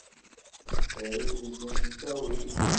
Xtir idlisen s ttawil.